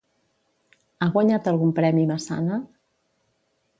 Ha guanyat algun premi Massana?